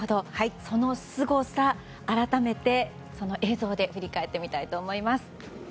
そのすごさ、改めてその映像で振り返ってみたいと思います。